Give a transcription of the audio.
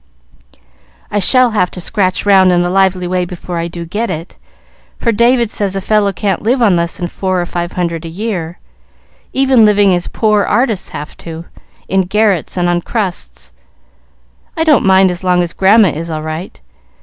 "I shall have to scratch round in a lively way before I do get it, for David says a fellow can't live on less than four or five hundred a year, even living as poor artists have to, in garrets and on crusts. I don't mind as long as Grandma is all right.